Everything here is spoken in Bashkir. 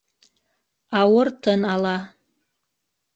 Ауыр тын ала.